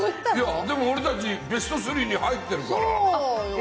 でも俺たち、ベスト３に入っそうですよ。